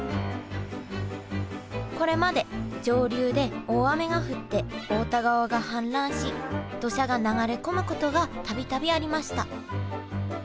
これまで上流で大雨が降って太田川が氾濫し土砂が流れ込むことが度々ありました。